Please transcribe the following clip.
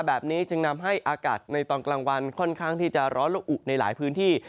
แบบนี้จึงนำให้อากาศในตอนกลางวันค่อนข้างที่จะร้อนและอุในหลายพื้นที่